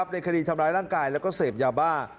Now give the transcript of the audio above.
ในคดีทำร้ายร่างกายแล้วก็เสพยาบ้า